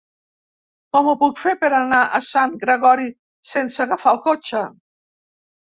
Com ho puc fer per anar a Sant Gregori sense agafar el cotxe?